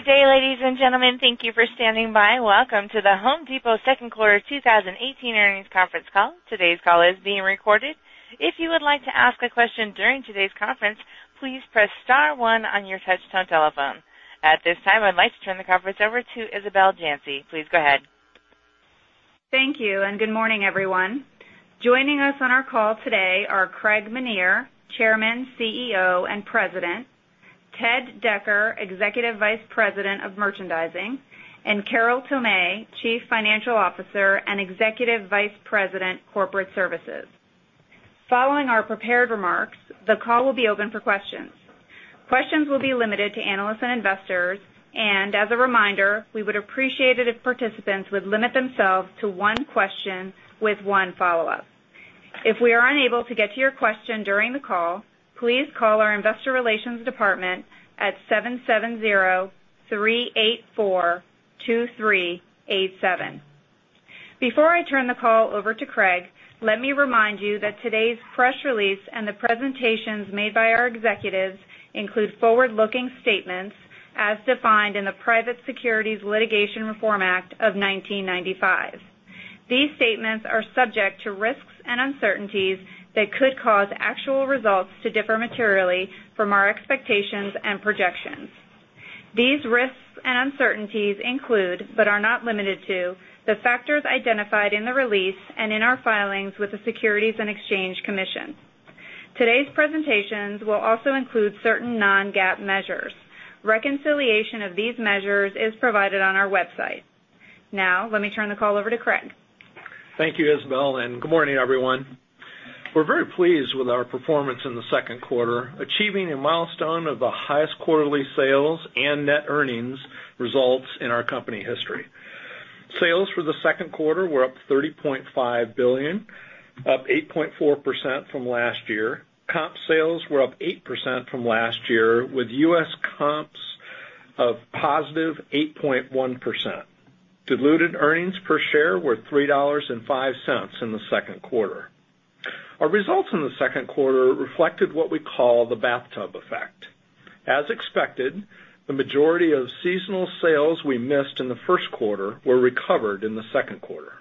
Good day, ladies and gentlemen. Thank you for standing by. Welcome to The Home Depot second quarter 2018 earnings conference call. Today's call is being recorded. If you would like to ask a question during today's conference, please press star one on your touch-tone telephone. At this time, I'd like to turn the conference over to Isabel Janci. Please go ahead. Thank you. Good morning, everyone. Joining us on our call today are Craig Menear, Chairman, CEO, and President; Ted Decker, Executive Vice President of Merchandising; and Carol Tomé, Chief Financial Officer and Executive Vice President, Corporate Services. Following our prepared remarks, the call will be open for questions. Questions will be limited to analysts and investors. As a reminder, we would appreciate it if participants would limit themselves to one question with one follow-up. If we are unable to get to your question during the call, please call our investor relations department at 770-384-2387. Before I turn the call over to Craig, let me remind you that today's press release and the presentations made by our executives include forward-looking statements as defined in the Private Securities Litigation Reform Act of 1995. These statements are subject to risks and uncertainties that could cause actual results to differ materially from our expectations and projections. These risks and uncertainties include, but are not limited to, the factors identified in the release and in our filings with the Securities and Exchange Commission. Today's presentations will also include certain non-GAAP measures. Reconciliation of these measures is provided on our website. Let me turn the call over to Craig. Thank you, Isabel. Good morning, everyone. We're very pleased with our performance in the second quarter, achieving a milestone of the highest quarterly sales and net earnings results in our company history. Sales for the second quarter were up $30.5 billion, up 8.4% from last year. Comp sales were up 8% from last year with U.S. comps of positive 8.1%. Diluted earnings per share were $3.05 in the second quarter. Our results in the second quarter reflected what we call the bathtub effect. As expected, the majority of seasonal sales we missed in the first quarter were recovered in the second quarter.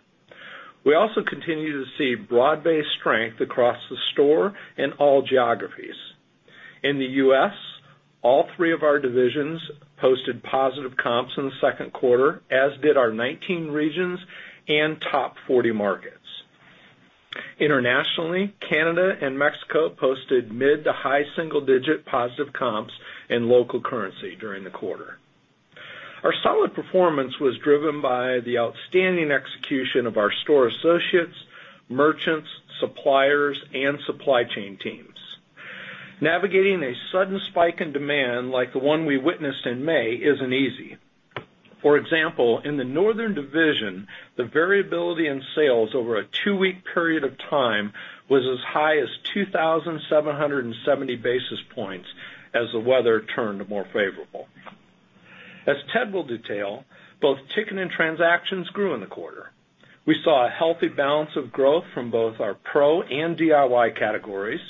We also continue to see broad-based strength across the store in all geographies. In the U.S., all three of our divisions posted positive comps in the second quarter, as did our 19 regions and top 40 markets. Internationally, Canada and Mexico posted mid to high single-digit positive comps in local currency during the quarter. Our solid performance was driven by the outstanding execution of our store associates, merchants, suppliers, and supply chain teams. Navigating a sudden spike in demand like the one we witnessed in May isn't easy. For example, in the Northern Division, the variability in sales over a two-week period of time was as high as 2,770 basis points as the weather turned more favorable. As Ted will detail, both ticket and transactions grew in the quarter. We saw a healthy balance of growth from both our pro and DIY categories,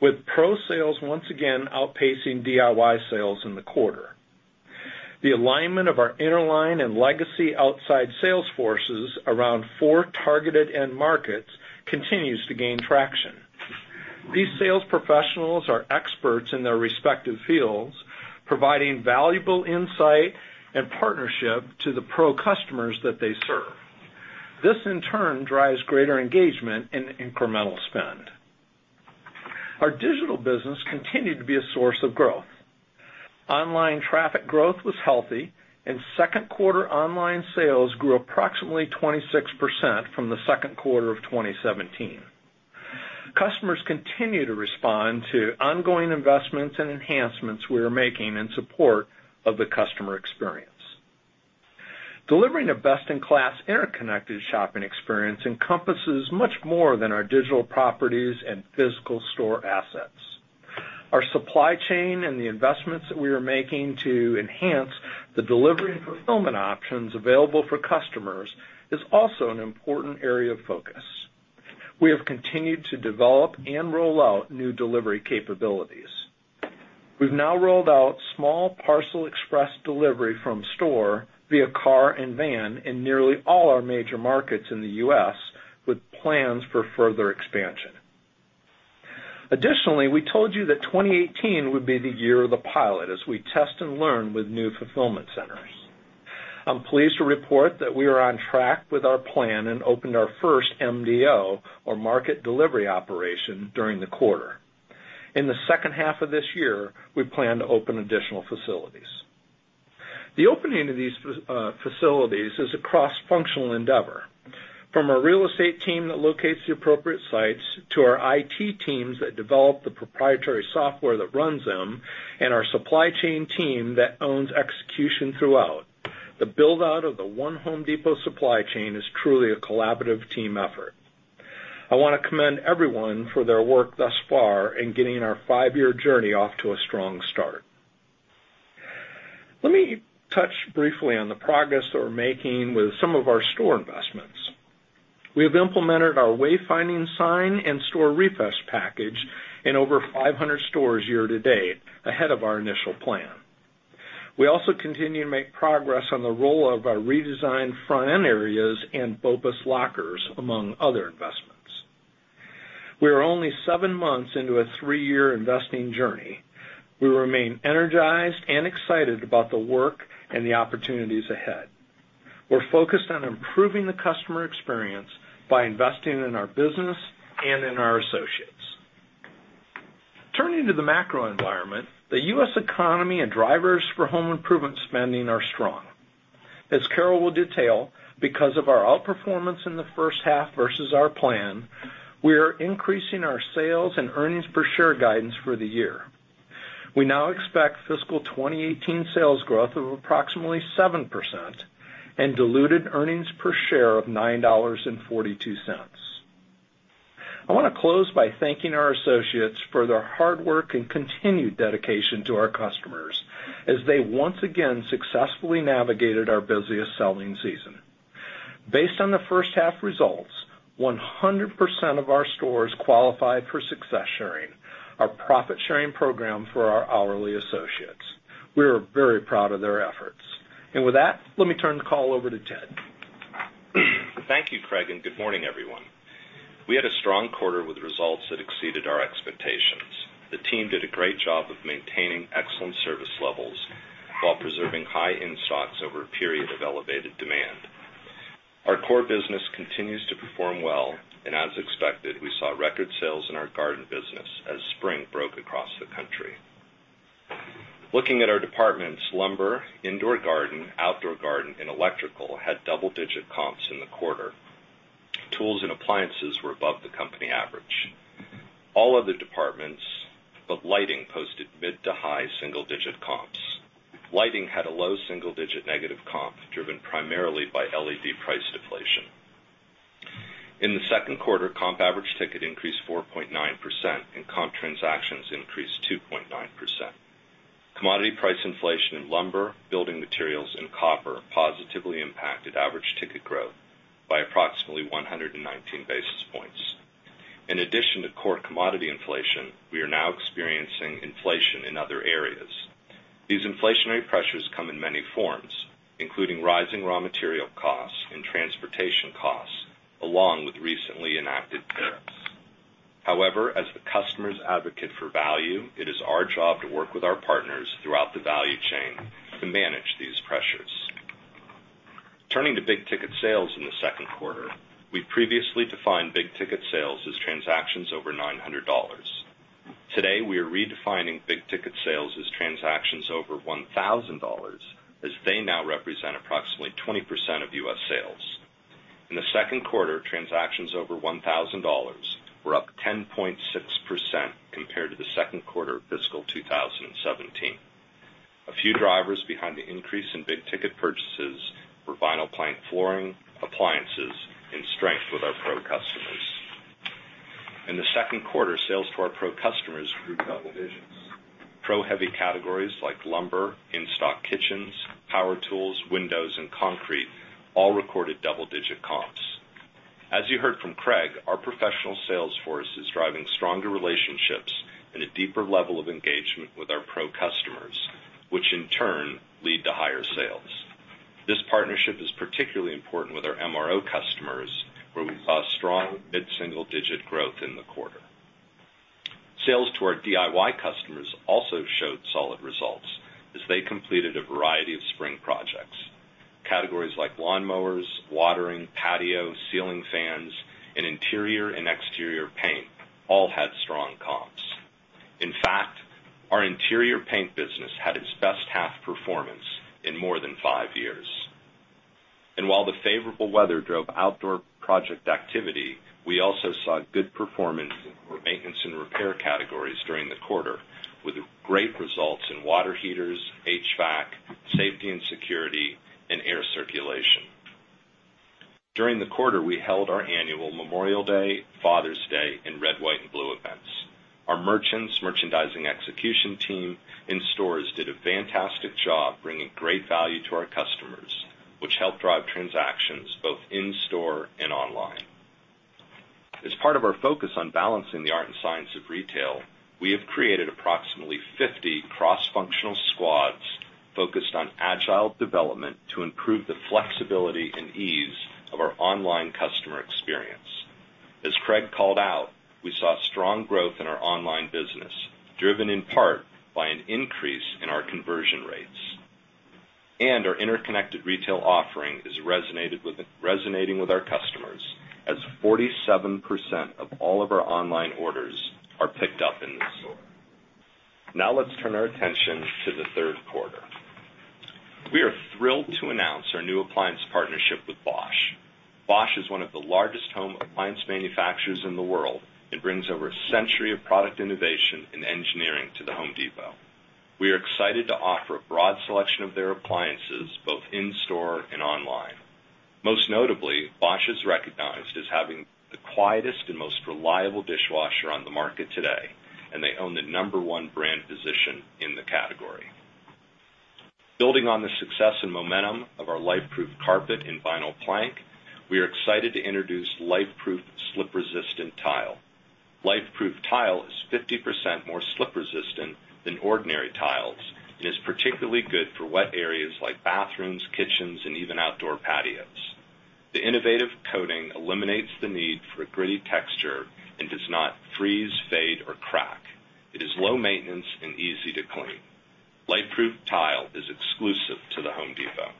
with pro sales once again outpacing DIY sales in the quarter. The alignment of our Interline and legacy outside sales forces around four targeted end markets continues to gain traction. These sales professionals are experts in their respective fields, providing valuable insight and partnership to the pro customers that they serve. This in turn drives greater engagement and incremental spend. Our digital business continued to be a source of growth. Online traffic growth was healthy, and second quarter online sales grew approximately 26% from the second quarter of 2017. Customers continue to respond to ongoing investments and enhancements we are making in support of the customer experience. Delivering a best-in-class interconnected shopping experience encompasses much more than our digital properties and physical store assets. Our supply chain and the investments that we are making to enhance the delivery and fulfillment options available for customers is also an important area of focus. We have continued to develop and roll out new delivery capabilities. We've now rolled out small parcel express delivery from store via car and van in nearly all our major markets in the U.S., with plans for further expansion. Additionally, we told you that 2018 would be the year of the pilot as we test and learn with new fulfillment centers. I'm pleased to report that we are on track with our plan and opened our first MDO, or market delivery operation, during the quarter. In the second half of this year, we plan to open additional facilities. The opening of these facilities is a cross-functional endeavor. From our real estate team that locates the appropriate sites to our IT teams that develop the proprietary software that runs them and our supply chain team that owns execution throughout, the build-out of the One Home Depot supply chain is truly a collaborative team effort. I want to commend everyone for their work thus far in getting our five-year journey off to a strong start. Let me touch briefly on the progress that we're making with some of our store investments. We have implemented our wayfinding sign and store refresh package in over 500 stores year-to-date, ahead of our initial plan. We also continue to make progress on the roll-out of our redesigned front-end areas and BOPUS lockers, among other investments. We are only seven months into a three-year investing journey. We remain energized and excited about the work and the opportunities ahead. We're focused on improving the customer experience by investing in our business and in our associates. Turning to the macro environment, the U.S. economy and drivers for home improvement spending are strong. As Carol will detail, because of our outperformance in the first half versus our plan, we are increasing our sales and earnings per share guidance for the year. We now expect fiscal 2018 sales growth of approximately 7% and diluted earnings per share of $9.42. I want to close by thanking our associates for their hard work and continued dedication to our customers, as they once again successfully navigated our busiest selling season. Based on the first half results, 100% of our stores qualified for success sharing, our profit-sharing program for our hourly associates. We are very proud of their efforts. With that, let me turn the call over to Ted. Thank you, Craig. Good morning, everyone. We had a strong quarter with results that exceeded our expectations. The team did a great job of maintaining excellent service levels while preserving high in-stocks over a period of elevated demand. Our core business continues to perform well, as expected, we saw record sales in our garden business as spring broke across the country. Looking at our departments, lumber, indoor garden, outdoor garden, and electrical had double-digit comps in the quarter. Tools and appliances were above the company average. All other departments but lighting posted mid-to-high single-digit comps. Lighting had a low single-digit negative comp, driven primarily by LED price deflation. In the second quarter, comp average ticket increased 4.9% and comp transactions increased 2.9%. Commodity price inflation in lumber, building materials, and copper positively impacted average ticket growth by approximately 119 basis points. In addition to core commodity inflation, we are now experiencing inflation in other areas. These inflationary pressures come in many forms, including rising raw material costs and transportation costs, along with recently enacted tariffs. As the customer's advocate for value, it is our job to work with our partners throughout the value chain to manage these pressures. Turning to big-ticket sales in the second quarter, we previously defined big-ticket sales as transactions over $900. Today, we are redefining big-ticket sales as transactions over $1,000, as they now represent approximately 20% of U.S. sales. In the second quarter, transactions over $1,000 were up 10.6% compared to the second quarter of fiscal 2017. A few drivers behind the increase in big-ticket purchases were vinyl plank flooring, appliances, and strength with our pro customers. In the second quarter, sales to our pro customers grew double digits. Pro-heavy categories like lumber, in-stock kitchens, power tools, windows, and concrete all recorded double-digit comps. As you heard from Craig, our professional sales force is driving stronger relationships and a deeper level of engagement with our pro customers, which in turn lead to higher sales. This partnership is particularly important with our MRO customers, where we saw strong mid-single digit growth in the quarter. Sales to our DIY customers also showed solid results as they completed a variety of spring projects. Categories like lawnmowers, watering, patio, ceiling fans, and interior and exterior paint all had strong comps. In fact, our interior paint business had its best half performance in more than five years. While the favorable weather drove outdoor project activity, we also saw good performance in maintenance and repair categories during the quarter with great results in water heaters, HVAC, safety and security, and air circulation. During the quarter, we held our annual Memorial Day, Father's Day, and Red, White and Blue events. Our merchants, merchandising execution team, and stores did a fantastic job bringing great value to our customers, which helped drive transactions both in store and online. As part of our focus on balancing the art and science of retail, we have created approximately 50 cross-functional squads focused on agile development to improve the flexibility and ease of our online customer experience. As Craig called out, we saw strong growth in our online business, driven in part by an increase in our conversion rates. Our interconnected retail offering is resonating with our customers as 47% of all of our online orders are picked up in the store. Now let's turn our attention to the third quarter. We are thrilled to announce our new appliance partnership with Bosch. Bosch is one of the largest home appliance manufacturers in the world and brings over a century of product innovation and engineering to The Home Depot. We are excited to offer a broad selection of their appliances, both in store and online. Most notably, Bosch is recognized as having the quietest and most reliable dishwasher on the market today, and they own the number 1 brand position in the category. Building on the success and momentum of our LifeProof carpet and vinyl plank, we are excited to introduce LifeProof slip-resistant tile. LifeProof tile is 50% more slip-resistant than ordinary tiles and is particularly good for wet areas like bathrooms, kitchens, and even outdoor patios. The innovative coating eliminates the need for a gritty texture and does not freeze, fade, or crack. It is low maintenance and easy to clean. LifeProof tile is exclusive to The Home Depot.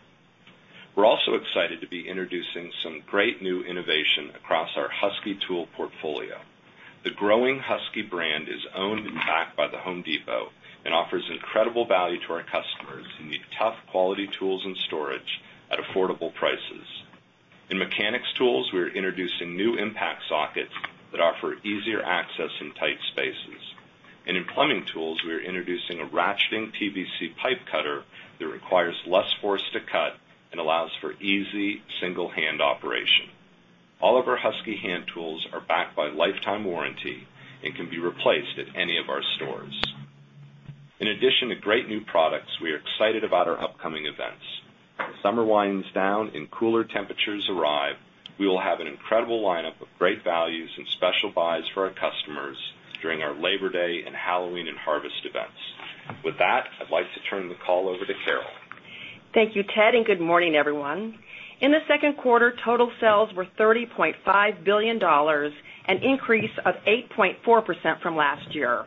We're also excited to be introducing some great new innovation across our Husky tool portfolio. The growing Husky brand is owned and backed by The Home Depot and offers incredible value to our customers who need tough, quality tools and storage at affordable prices. In mechanics tools, we are introducing new impact sockets that offer easier access in tight spaces. In plumbing tools, we are introducing a ratcheting PVC pipe cutter that requires less force to cut and allows for easy single-hand operation. All of our Husky hand tools are backed by a lifetime warranty and can be replaced at any of our stores. In addition to great new products, we are excited about our upcoming events. As summer winds down and cooler temperatures arrive, we will have an incredible lineup of great values and special buys for our customers during our Labor Day and Halloween and Harvest events. With that, I'd like to turn the call over to Carol. Thank you, Ted, and good morning, everyone. In the second quarter, total sales were $30.5 billion, an increase of 8.4% from last year.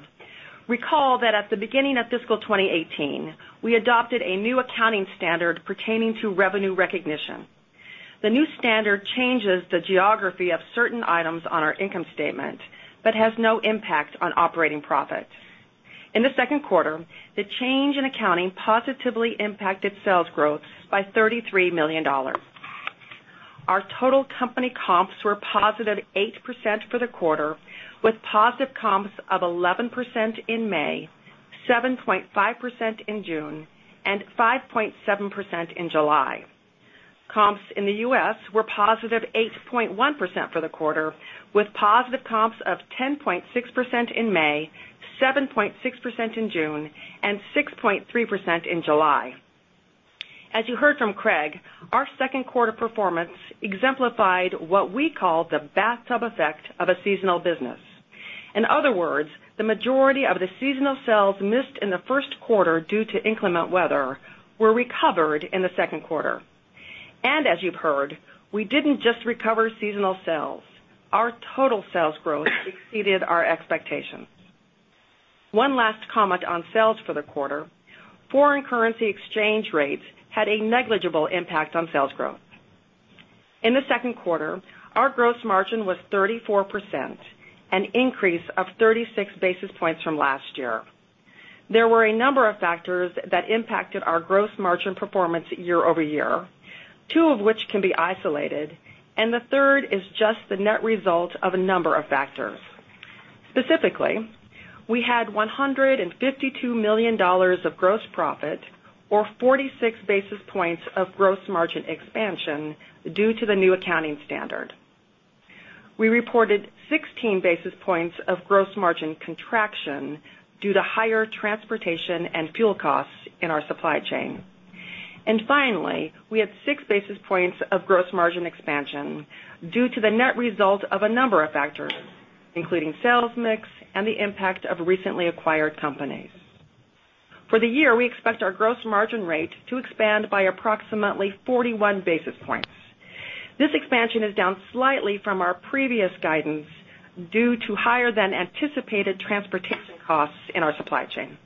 Recall that at the beginning of fiscal 2018, we adopted a new accounting standard pertaining to revenue recognition. The new standard changes the geography of certain items on our income statement but has no impact on operating profits. In the second quarter, the change in accounting positively impacted sales growth by $33 million. Our total company comps were positive 8% for the quarter, with positive comps of 11% in May, 7.5% in June, and 5.7% in July. Comps in the U.S. were positive 8.1% for the quarter, with positive comps of 10.6% in May, 7.6% in June, and 6.3% in July. As you heard from Craig, our second quarter performance exemplified what we call the bathtub effect of a seasonal business. In other words, the majority of the seasonal sales missed in the first quarter due to inclement weather were recovered in the second quarter. As you've heard, we didn't just recover seasonal sales, our total sales growth exceeded our expectations. One last comment on sales for the quarter, foreign currency exchange rates had a negligible impact on sales growth. In the second quarter, our gross margin was 34%, an increase of 36 basis points from last year. There were a number of factors that impacted our gross margin performance year-over-year, two of which can be isolated, and the third is just the net result of a number of factors. Specifically, we had $152 million of gross profit or 46 basis points of gross margin expansion due to the new accounting standard. We reported 16 basis points of gross margin contraction due to higher transportation and fuel costs in our supply chain. Finally, we had six basis points of gross margin expansion due to the net result of a number of factors, including sales mix and the impact of recently acquired companies. For the year, we expect our gross margin rate to expand by approximately 41 basis points. This expansion is down slightly from our previous guidance due to higher-than-anticipated transportation costs in our supply chain.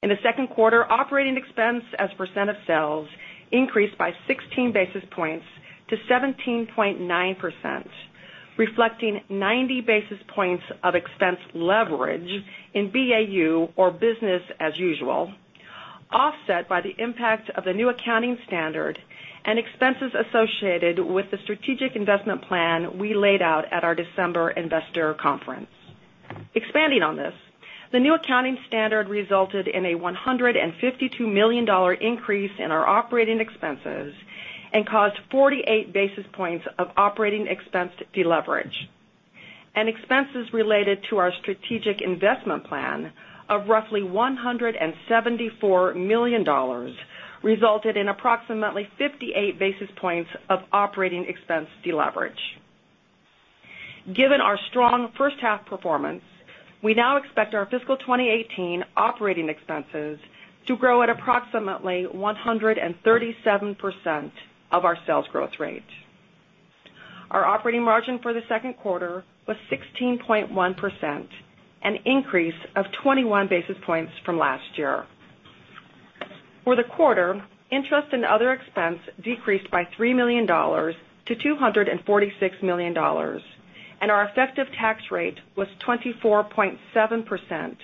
In the second quarter, operating expense as a percent of sales increased by 16 basis points to 17.9%, reflecting 90 basis points of expense leverage in BAU, or business as usual, offset by the impact of the new accounting standard and expenses associated with the strategic investment plan we laid out at our December investor conference. Expanding on this, the new accounting standard resulted in a $152 million increase in our operating expenses and caused 48 basis points of operating expense deleverage. Expenses related to our strategic investment plan of roughly $174 million resulted in approximately 58 basis points of operating expense deleverage. Given our strong first half performance, we now expect our fiscal 2018 operating expenses to grow at approximately 137% of our sales growth rate. Our operating margin for the second quarter was 16.1%, an increase of 21 basis points from last year. For the quarter, interest and other expense decreased by $3 million to $246 million, and our effective tax rate was 24.7%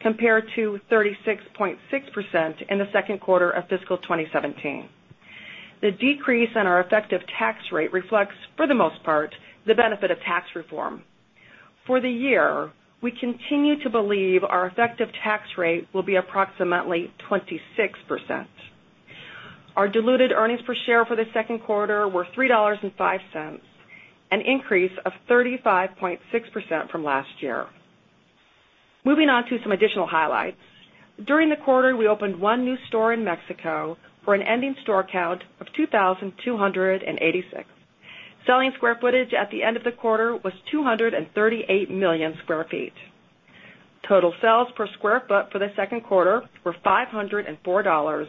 compared to 36.6% in the second quarter of fiscal 2017. The decrease in our effective tax rate reflects, for the most part, the benefit of tax reform. For the year, we continue to believe our effective tax rate will be approximately 26%. Our diluted earnings per share for the second quarter were $3.05, an increase of 35.6% from last year. During the quarter, we opened one new store in Mexico for an ending store count of 2,286. Selling square footage at the end of the quarter was 238 million square feet. Total sales per square foot for the second quarter were $504,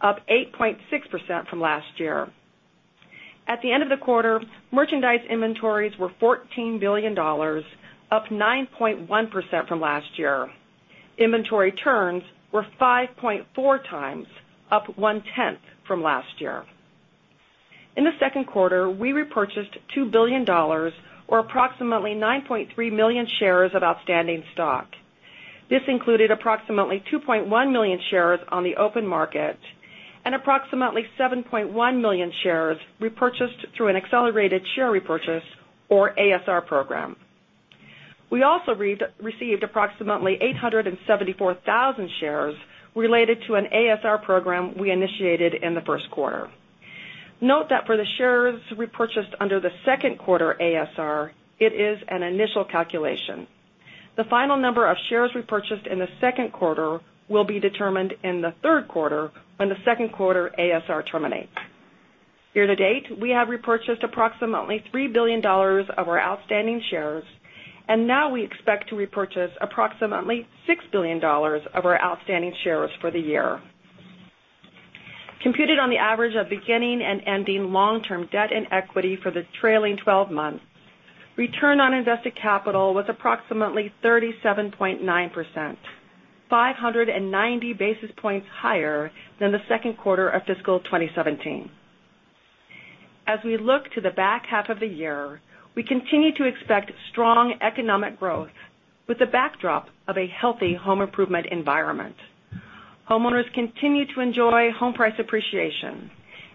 up 8.6% from last year. At the end of the quarter, merchandise inventories were $14 billion, up 9.1% from last year. Inventory turns were 5.4 times, up one-tenth from last year. In the second quarter, we repurchased $2 billion, or approximately 9.3 million shares of outstanding stock. This included approximately 2.1 million shares on the open market and approximately 7.1 million shares repurchased through an accelerated share repurchase, or ASR program. We also received approximately 874,000 shares related to an ASR program we initiated in the first quarter. Note that for the shares repurchased under the second quarter ASR, it is an initial calculation. The final number of shares repurchased in the second quarter will be determined in the third quarter when the second quarter ASR terminates. Year-to-date, we have repurchased approximately $3 billion of our outstanding shares, and now we expect to repurchase approximately $6 billion of our outstanding shares for the year. Computed on the average of beginning and ending long-term debt and equity for the trailing 12 months, return on invested capital was approximately 37.9%, 590 basis points higher than the second quarter of fiscal 2017. As we look to the back half of the year, we continue to expect strong economic growth with the backdrop of a healthy home improvement environment. Homeowners continue to enjoy home price appreciation,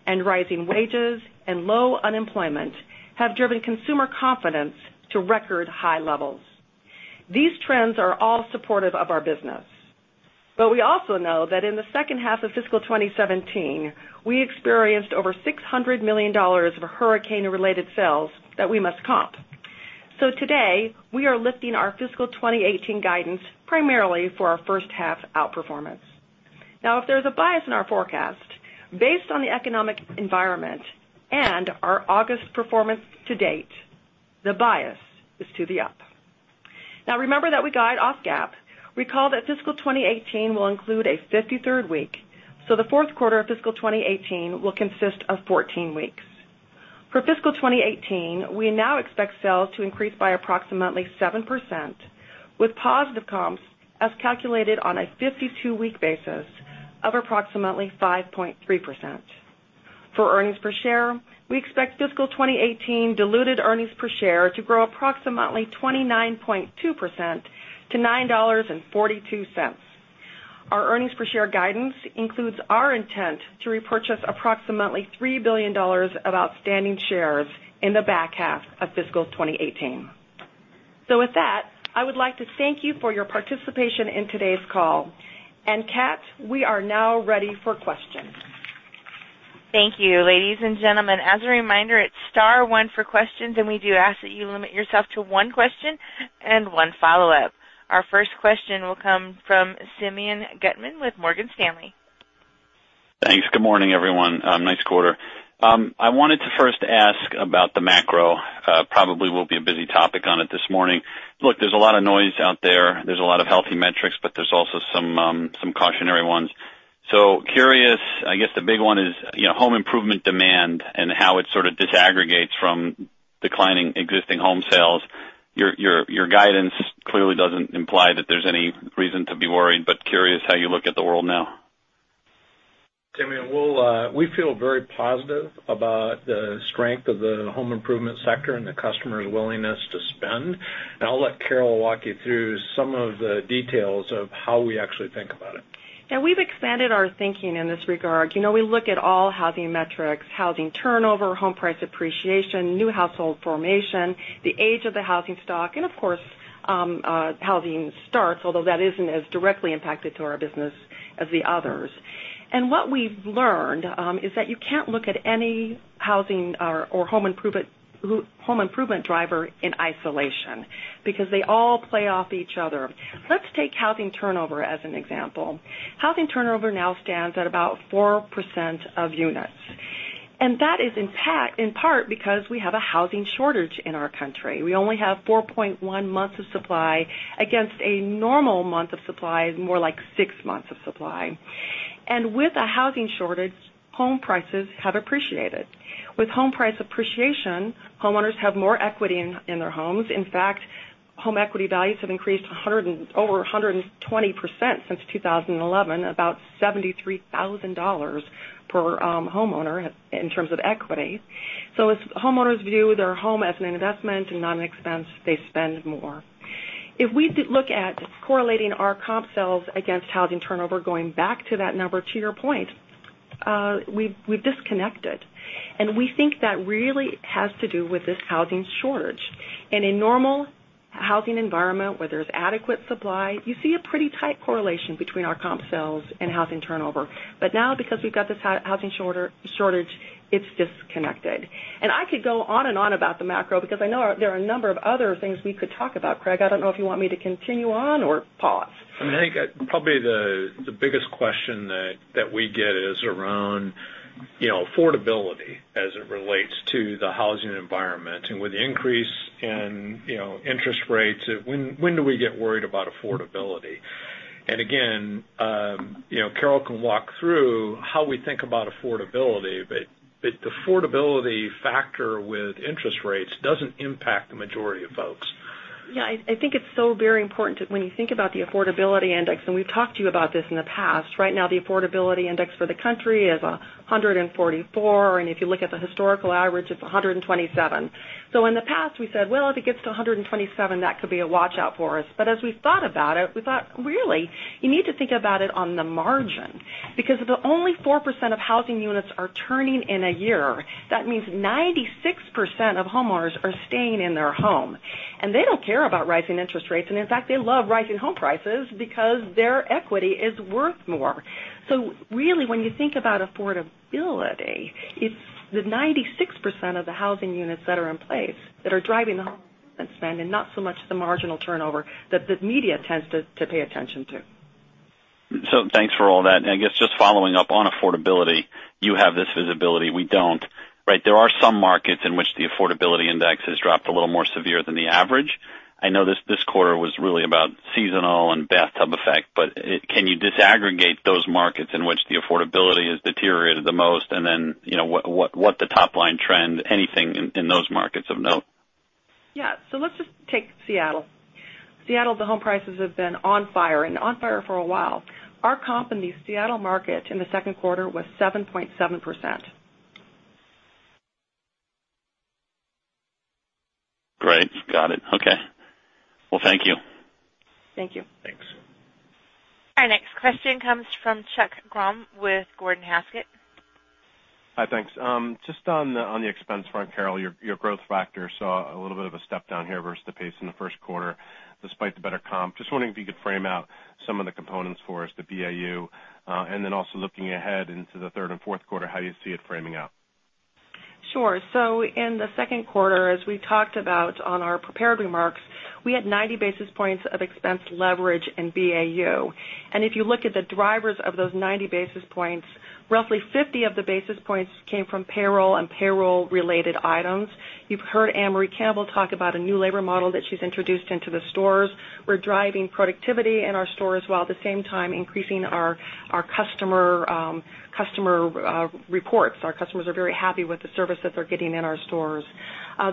and rising wages and low unemployment have driven consumer confidence to record high levels. These trends are all supportive of our business. We also know that in the second half of fiscal 2017, we experienced over $600 million of hurricane-related sales that we must comp. Today, we are lifting our fiscal 2018 guidance primarily for our first half outperformance. If there's a bias in our forecast, based on the economic environment and our August performance to date, the bias is to the up. Remember that we guide off GAAP. Recall that fiscal 2018 will include a 53rd week, so the fourth quarter of fiscal 2018 will consist of 14 weeks. For fiscal 2018, we now expect sales to increase by approximately 7%, with positive comps as calculated on a 52-week basis of approximately 5.3%. For earnings per share, we expect fiscal 2018 diluted earnings per share to grow approximately 29.2% to $9.42. Our earnings per share guidance includes our intent to repurchase approximately $3 billion of outstanding shares in the back half of fiscal 2018. With that, I would like to thank you for your participation in today's call. Kat, we are now ready for questions. Thank you. Ladies and gentlemen, as a reminder, it's star one for questions, and we do ask that you limit yourself to one question and one follow-up. Our first question will come from Simeon Gutman with Morgan Stanley. Thanks. Good morning, everyone. Nice quarter. I wanted to first ask about the macro. Probably will be a busy topic on it this morning. Look, there's a lot of noise out there. There's a lot of healthy metrics, but there's also some cautionary ones. Curious, I guess the big one is home improvement demand and how it sort of disaggregates from declining existing home sales. Your guidance clearly doesn't imply that there's any reason to be worried, but curious how you look at the world now. Simeon, we feel very positive about the strength of the home improvement sector and the customers' willingness to spend. I'll let Carol walk you through some of the details of how we actually think about it. Yeah, we've expanded our thinking in this regard. We look at all housing metrics, housing turnover, home price appreciation, new household formation, the age of the housing stock, and of course, housing starts, although that isn't as directly impacted to our business as the others. What we've learned, is that you can't look at any housing or home improvement driver in isolation because they all play off each other. Let's take housing turnover as an example. Housing turnover now stands at about 4% of units. That is in part because we have a housing shortage in our country. We only have 4.1 months of supply against a normal month of supply is more like six months of supply. With a housing shortage, home prices have appreciated. With home price appreciation, homeowners have more equity in their homes. In fact, home equity values have increased over 120% since 2011, about $73,000 per homeowner in terms of equity. As homeowners view their home as an investment and not an expense, they spend more. If we look at correlating our comp sales against housing turnover, going back to that number, to your point, we've disconnected. We think that really has to do with this housing shortage. In normal housing environment where there's adequate supply, you see a pretty tight correlation between our comp sales and housing turnover. Now, because we've got this housing shortage, it's disconnected. I could go on and on about the macro because I know there are a number of other things we could talk about. Craig, I don't know if you want me to continue on or pause. I think probably the biggest question that we get is around affordability as it relates to the housing environment and with the increase in interest rates, when do we get worried about affordability? Again, Carol can walk through how we think about affordability, but the affordability factor with interest rates doesn't impact the majority of folks. I think it's so very important that when you think about the affordability index, and we've talked to you about this in the past, right now, the affordability index for the country is 144, and if you look at the historical average, it's 127. In the past we said, "Well, if it gets to 127, that could be a watch-out for us." As we thought about it, we thought, really, you need to think about it on the margin because if only 4% of housing units are turning in a year, that means 96% of homeowners are staying in their home. They don't care about rising interest rates, and in fact, they love rising home prices because their equity is worth more. Really, when you think about affordability, it's the 96% of the housing units that are in place that are driving the home spend and not so much the marginal turnover that the media tends to pay attention to. Thanks for all that. I guess just following up on affordability, you have this visibility, we don't. There are some markets in which the affordability index has dropped a little more severe than the average. I know this quarter was really about seasonal and bathtub effect, but can you disaggregate those markets in which the affordability has deteriorated the most, and then what the top-line trend, anything in those markets of note? Yeah. Let's just take Seattle. Seattle, the home prices have been on fire, and on fire for a while. Our comp in the Seattle market in the second quarter was 7.7%. Great, got it. Okay. Well, thank you. Thank you. Thanks. Our next question comes from Chuck Grom with Gordon Haskett. Hi, thanks. Just on the expense front, Carol, your growth factor saw a little bit of a step down here versus the pace in the first quarter, despite the better comp. Just wondering if you could frame out some of the components for us, the BAU, and also looking ahead into the third and fourth quarter, how do you see it framing out? Sure. In the second quarter, as we talked about on our prepared remarks, we had 90 basis points of expense leverage in BAU. If you look at the drivers of those 90 basis points, roughly 50 of the basis points came from payroll and payroll-related items. You've heard Ann-Marie Campbell talk about a new labor model that she's introduced into the stores. We're driving productivity in our stores, while at the same time, increasing our customer reports. Our customers are very happy with the service that they're getting in our stores.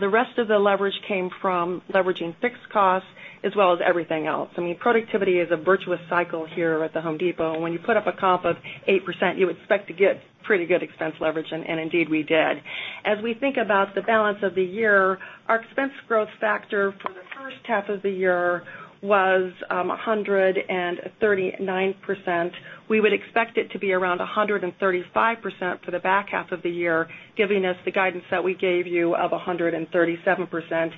The rest of the leverage came from leveraging fixed costs as well as everything else. Productivity is a virtuous cycle here at The Home Depot. When you put up a comp of 8%, you expect to get pretty good expense leverage, and indeed we did. As we think about the balance of the year, our expense growth factor for the first half of the year was 139%. We would expect it to be around 135% for the back half of the year, giving us the guidance that we gave you of 137%.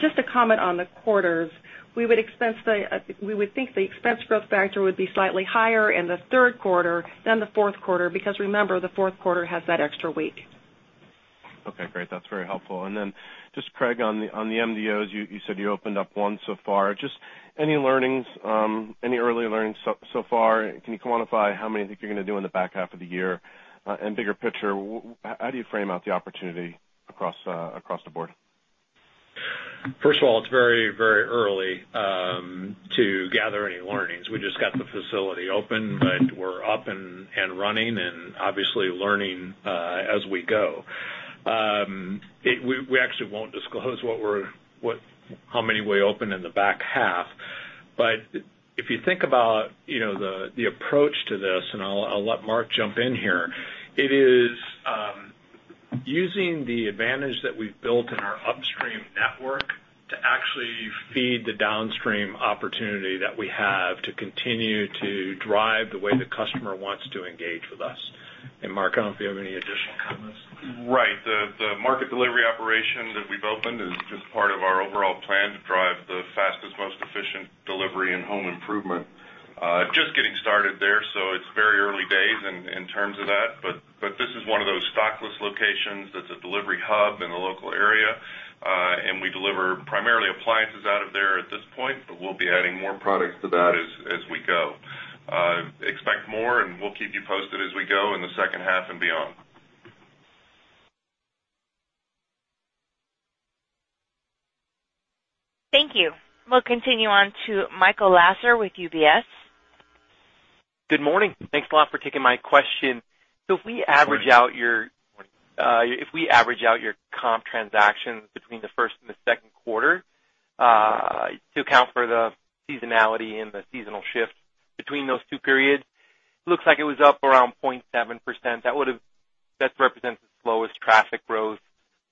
Just to comment on the quarters, we would think the expense growth factor would be slightly higher in the third quarter than the fourth quarter because remember, the fourth quarter has that extra week. Okay, great. That's very helpful. Craig, on the MDOs, you said you opened up one so far. Any early learnings so far? Can you quantify how many you think you're going to do in the back half of the year? Bigger picture, how do you frame out the opportunity across the board? First of all, it's very early to gather any learnings. We just got the facility open, but we're up and running and obviously learning as we go. We actually won't disclose how many we open in the back half. If you think about the approach to this, I'll let Mark jump in here, it is using the advantage that we've built in our upstream network to actually feed the downstream opportunity that we have to continue to drive the way the customer wants to engage with us. Mark, I don't know if you have any additional comments. Right. The market delivery operation that we've opened is just part of our overall plan to drive the fastest, most efficient delivery in home improvement. Just getting started there, so it's very early days in terms of that. This is one of those stockless locations that's a delivery hub in the local area. We deliver primarily appliances out of there at this point, but we'll be adding more products to that as we go. Expect more, and we'll keep you posted as we go in the second half and beyond. Thank you. We'll continue on to Michael Lasser with UBS. Good morning. Thanks a lot for taking my question. Good morning. If we average out your comp transactions between the first and the second quarter to account for the seasonality and the seasonal shift between those two periods, looks like it was up around 0.7%. That represents the slowest traffic growth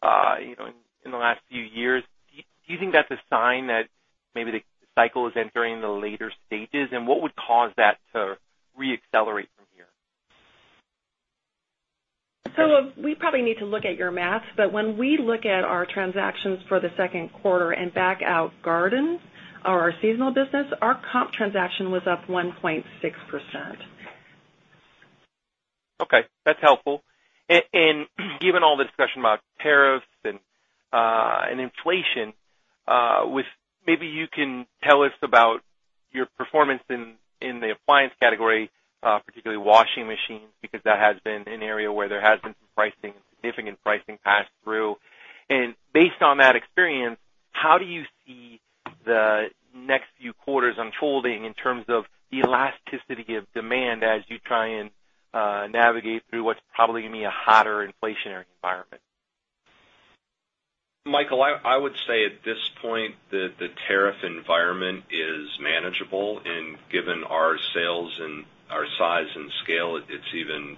in the last few years. Do you think that's a sign that maybe the cycle is entering the later stages, and what would cause that to re-accelerate? We probably need to look at your math, but when we look at our transactions for the second quarter and back out garden, our seasonal business, our comp transaction was up 1.6%. That's helpful. Given all the discussion about tariffs and inflation, maybe you can tell us about your performance in the appliance category, particularly washing machines, because that has been an area where there has been some significant pricing passed through. Based on that experience, how do you see the next few quarters unfolding in terms of the elasticity of demand as you try and navigate through what's probably going to be a hotter inflationary environment? Michael, I would say at this point that the tariff environment is manageable. Given our sales and our size and scale, it's even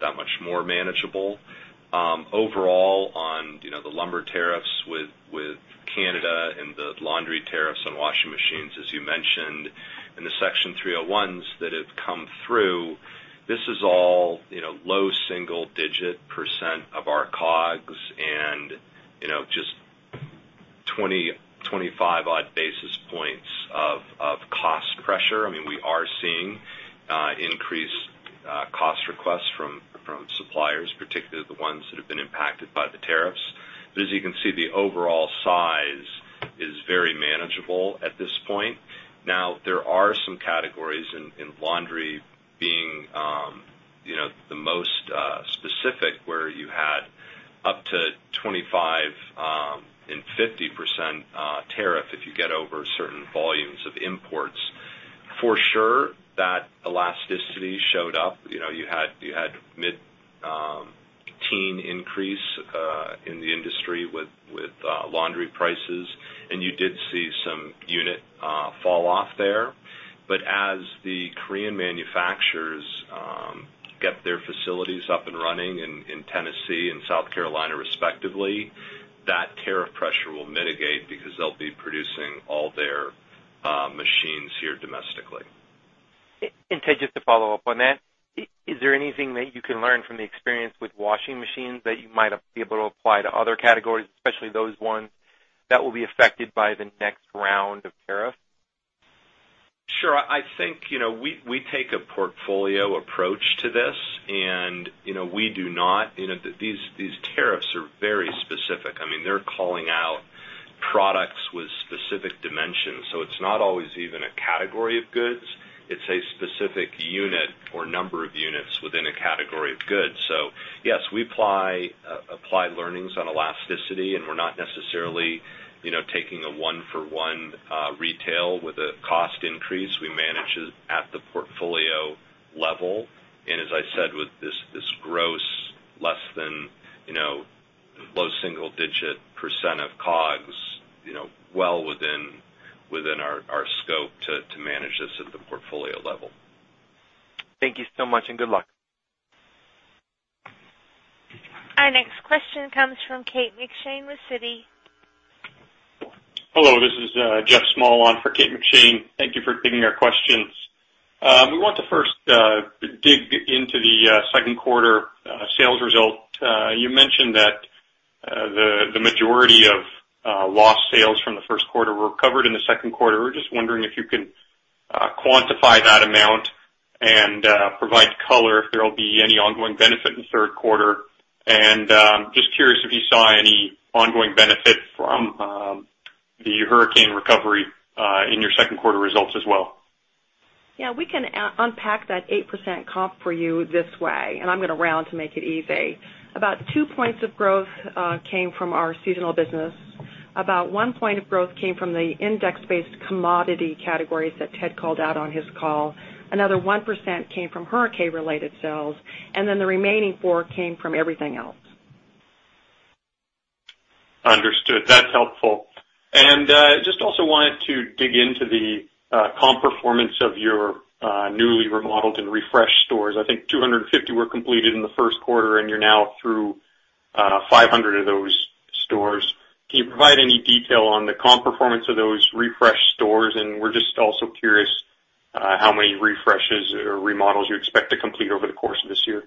that much more manageable. Overall, on the lumber tariffs with Canada and the laundry tariffs on washing machines, as you mentioned, and the Section 301s that have come through, this is all low single-digit % of our COGS and just 20, 25-odd basis points of cost pressure. I mean, we are seeing increased cost requests from suppliers, particularly the ones that have been impacted by the tariffs. As you can see, the overall size is very manageable at this point. Now, there are some categories, in laundry being the most specific, where you had up to 25% and 50% tariff if you get over certain volumes of imports. For sure, that elasticity showed up. You had mid-teen increase in the industry with laundry prices. You did see some unit fall-off there. As the Korean manufacturers get their facilities up and running in Tennessee and South Carolina respectively, that tariff pressure will mitigate because they'll be producing all their machines here domestically. Ted, just to follow up on that, is there anything that you can learn from the experience with washing machines that you might be able to apply to other categories, especially those ones that will be affected by the next round of tariffs? Sure. I think we take a portfolio approach to this. These tariffs are very specific. I mean, they're calling out products with specific dimensions. It's not always even a category of goods. It's a specific unit or number of units within a category of goods. Yes, we apply learnings on elasticity. We're not necessarily taking a one-for-one retail with a cost increase. We manage it at the portfolio level. As I said, with this gross less than low single-digit % of COGS, well within our scope to manage this at the portfolio level. Thank you so much. Good luck. Our next question comes from Kate McShane with Citi. Hello, this is Geoff Small on for Kate McShane. Thank you for taking our questions. We want to first dig into the second quarter sales result. You mentioned that the majority of lost sales from the first quarter were recovered in the second quarter. We're just wondering if you can quantify that amount and provide color if there will be any ongoing benefit in the third quarter. Just curious if you saw any ongoing benefit from the hurricane recovery in your second quarter results as well. We can unpack that 8% comp for you this way, I'm going to round to make it easy. About two points of growth came from our seasonal business. About one point of growth came from the index-based commodity categories that Ted called out on his call. Another 1% came from hurricane-related sales, the remaining four came from everything else. Understood. That's helpful. Just also wanted to dig into the comp performance of your newly remodeled and refreshed stores. I think 250 were completed in the first quarter, and you're now through 500 of those stores. Can you provide any detail on the comp performance of those refreshed stores? We're just also curious how many refreshes or remodels you expect to complete over the course of this year.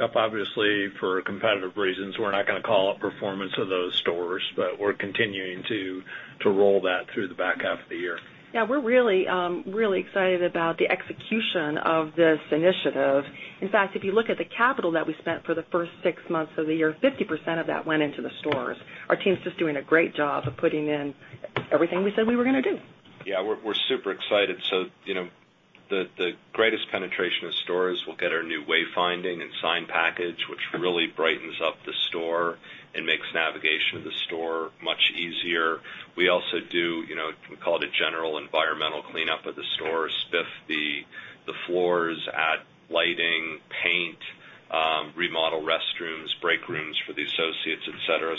Geoff, obviously, for competitive reasons, we're not going to call out performance of those stores, but we're continuing to roll that through the back half of the year. We're really excited about the execution of this initiative. In fact, if you look at the capital that we spent for the first six months of the year, 50% of that went into the stores. Our team's just doing a great job of putting in everything we said we were going to do. Yeah, we're super excited. The greatest penetration of stores will get our new way finding and sign package, which really brightens up the store and makes navigation of the store much easier. We also do, we call it a general environmental cleanup of the store, spiff the floors, add lighting, paint, remodel restrooms, break rooms for the associates, et cetera.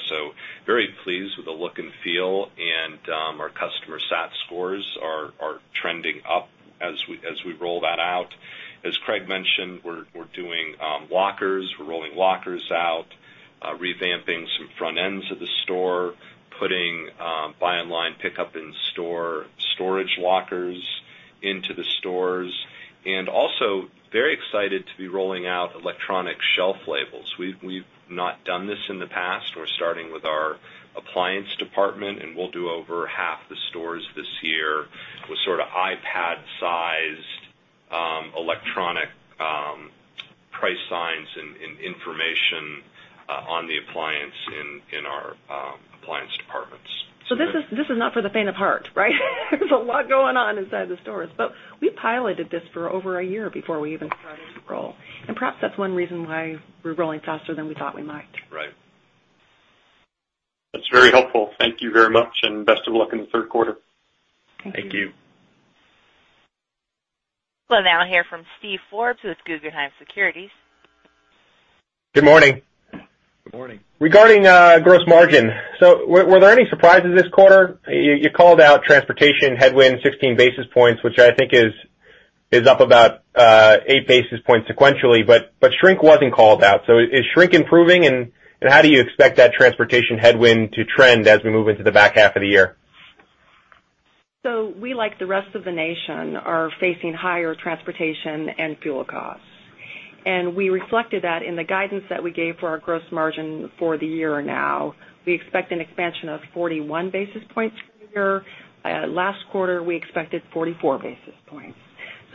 Very pleased with the look and feel, and our customer sat scores are trending up as we roll that out. As Craig mentioned, we're doing lockers. We're rolling lockers out, revamping some front ends of the store, putting buy online pickup in store storage lockers into the stores, and also very excited to be rolling out electronic shelf labels. We've not done this in the past. We're starting with our appliance department, and we'll do over half the stores this year with sort of iPad-sized, electronic price signs and information on the appliance in our appliance departments. This is not for the faint of heart, right? There's a lot going on inside the stores, but we piloted this for over a year before we even started to roll, and perhaps that's one reason why we're rolling faster than we thought we might. Right. That's very helpful. Thank you very much, and best of luck in the third quarter. Thank you. Thank you. We'll now hear from Steven Forbes with Guggenheim Securities. Good morning. Good morning. Regarding gross margin, were there any surprises this quarter? You called out transportation headwind 16 basis points, which I think is up about eight basis points sequentially, shrink wasn't called out. Is shrink improving and how do you expect that transportation headwind to trend as we move into the back half of the year? We, like the rest of the nation, are facing higher transportation and fuel costs. We reflected that in the guidance that we gave for our gross margin for the year now. We expect an expansion of 41 basis points for the year. Last quarter, we expected 44 basis points.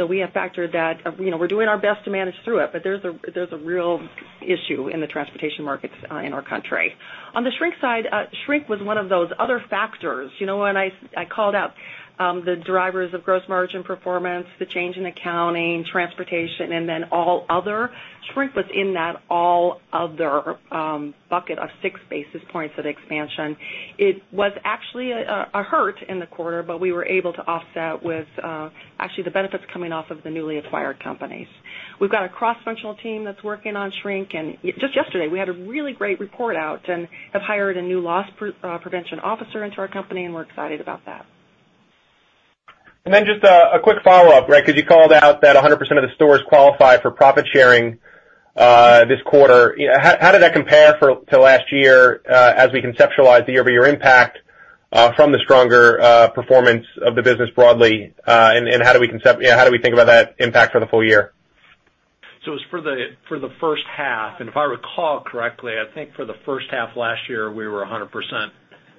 We have factored that. We're doing our best to manage through it, but there's a real issue in the transportation markets in our country. On the shrink side, shrink was one of those other factors. When I called out the drivers of gross margin performance, the change in accounting, transportation, and all other, shrink was in that all other bucket of six basis points of expansion. It was actually a hurt in the quarter, but we were able to offset with actually the benefits coming off of the newly acquired companies. We've got a cross-functional team that's working on shrink, and just yesterday, we had a really great report out and have hired a new loss prevention officer into our company, and we're excited about that. Just a quick follow-up, because you called out that 100% of the stores qualify for profit-sharing this quarter. How did that compare to last year, as we conceptualize the year-over-year impact from the stronger performance of the business broadly and how do we think about that impact for the full year? It was for the first half, and if I recall correctly, I think for the first half last year, we were 100%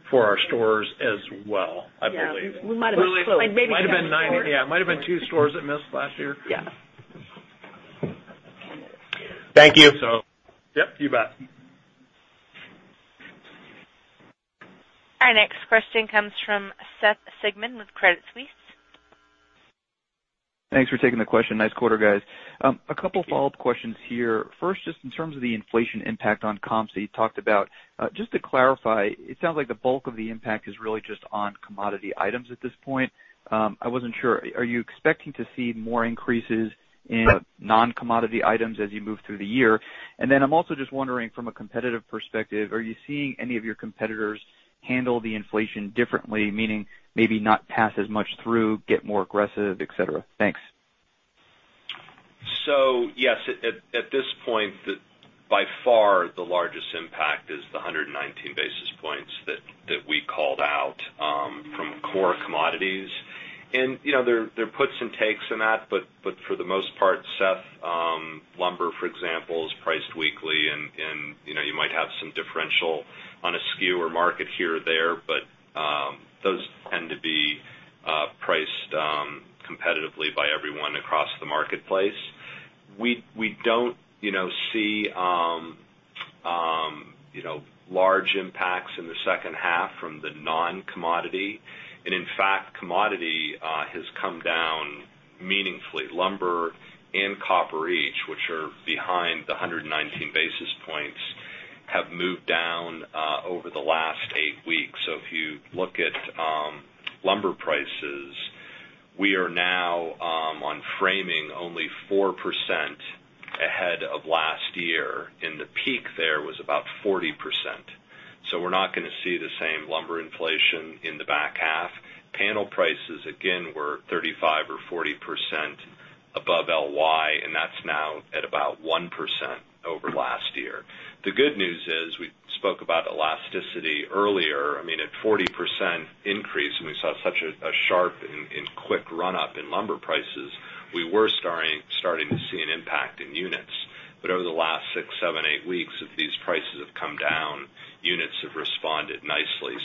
for our stores as well, I believe. Yeah. We might have been close. Like maybe 10 stores. It might've been 40. Yeah, it might've been two stores that missed last year. Yeah. Thank you. Yep, you bet. Our next question comes from Seth Sigman with Credit Suisse. Thanks for taking the question. Nice quarter, guys. Thank you. A couple follow-up questions here. First, just in terms of the inflation impact on comps that you talked about, just to clarify, it sounds like the bulk of the impact is really just on commodity items at this point. I wasn't sure. Are you expecting to see more increases in Sure non-commodity items as you move through the year? I'm also just wondering from a competitive perspective, are you seeing any of your competitors handle the inflation differently, meaning maybe not pass as much through, get more aggressive, et cetera? Thanks. Yes, at this point, by far the largest impact is the 119 basis points that we called out from core commodities. There are puts and takes in that, but for the most part, Seth, lumber, for example, is priced weekly, and you might have some differential on a SKU or market here or there, but those tend to be priced competitively by everyone across the marketplace. We don't see large impacts in the second half from the non-commodity, and in fact, commodity has come down meaningfully. Lumber and copper each, which are behind the 119 basis points, have moved down over the last eight weeks. If you look at lumber prices, we are now on framing only 4% ahead of last year. In the peak, there was about 40%. We're not going to see the same lumber inflation in the back half. Panel prices, again, were 35% or 40% above LY, and that's now at about 1% over last year. The good news is we spoke about elasticity earlier. I mean, at 40% increase, and we saw such a sharp and quick run-up in lumber prices, we were starting to see an impact in units. Over the last six, seven, eight weeks, these prices have come down. Units have responded nicely.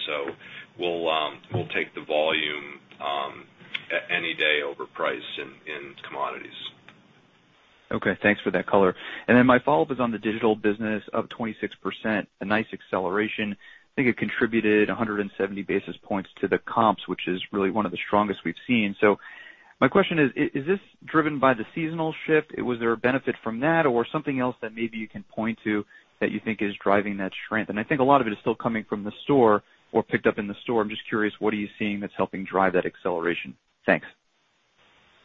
We'll take the volume any day over price in commodities. Okay. Thanks for that color. My follow-up is on the digital business. Up 26%, a nice acceleration. I think it contributed 170 basis points to the comps, which is really one of the strongest we've seen. My question is this driven by the seasonal shift? Was there a benefit from that or something else that maybe you can point to that you think is driving that trend? I think a lot of it is still coming from the store or picked up in the store. I'm just curious, what are you seeing that's helping drive that acceleration? Thanks.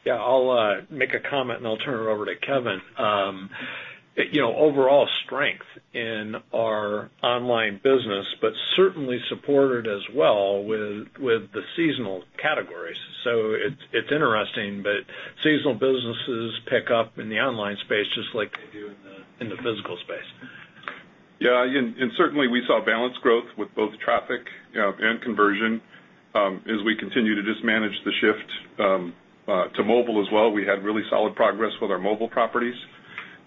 Yeah, I'll make a comment, and I'll turn it over to Kevin. Overall strength in our online business, but certainly supported as well with the seasonal categories. It's interesting, but seasonal businesses pick up in the online space just like they do in the physical space. Yeah. Certainly we saw balanced growth with both traffic and conversion as we continue to just manage the shift to mobile as well. We had really solid progress with our mobile properties.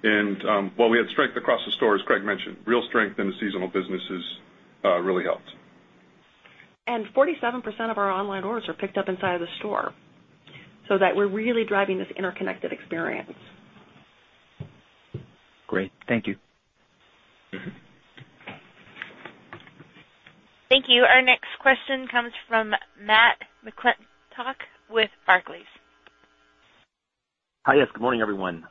While we had strength across the store, as Craig mentioned, real strength in the seasonal businesses really helped. 47% of our online orders are picked up inside of the store, that we're really driving this interconnected experience. Great. Thank you. Thank you. Our next question comes from Matthew McClintock with Barclays. Hi, yes. Good morning, everyone.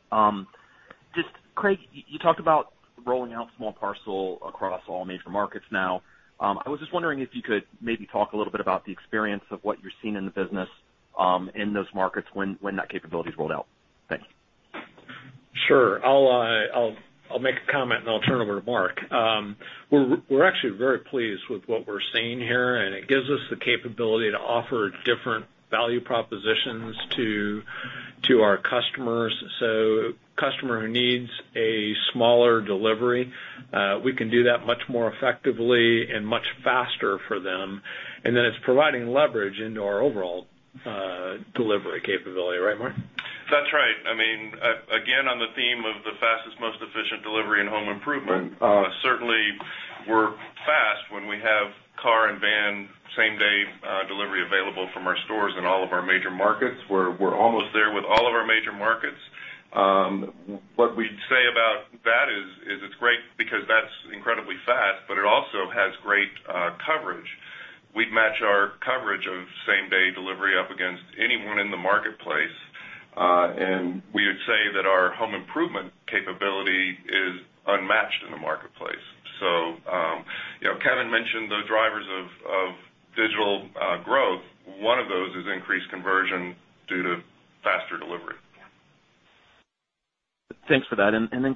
Craig, you talked about rolling out small parcel across all major markets now. I was just wondering if you could maybe talk a little bit about the experience of what you're seeing in the business in those markets when that capability is rolled out. Thanks. Sure. I'll make a comment, and I'll turn it over to Mark. We're actually very pleased with what we're seeing here, and it gives us the capability to offer different value propositions to our customers. Customer who needs a smaller delivery, we can do that much more effectively and much faster for them. Then it's providing leverage into our overall delivery capability. Right, Mark? That's right. Again, on the theme of the fastest, most efficient delivery in home improvement. Certainly, we're fast when we have car and van same-day delivery available from our stores in all of our major markets. We're almost there with all of our major markets. What we'd say about that is it's great because that's incredibly fast, but it also has great coverage. We would match our coverage of same-day delivery up against anyone in the marketplace. We would say that our home improvement capability is unmatched in the marketplace. Kevin mentioned the drivers of digital growth. One of those is increased conversion due to faster delivery. Thanks for that.